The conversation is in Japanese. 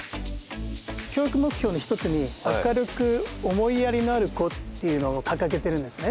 教育目標の一つに「明るく思いやりのある子」っていうのを掲げてるんですね。